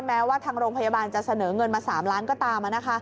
แม้ว่าทางโรงพยาบาลจะเสนอเงินมา๓ล้านก็ตาม